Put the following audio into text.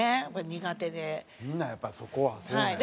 みんなやっぱりそこはそうなんやね。